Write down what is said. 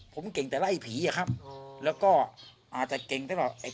ผมเก่งแต่ไล่ผีอะครับแล้วก็อาจจะเก่งได้ว่าไอ้